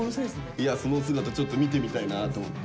いやその姿ちょっと見てみたいなと思って。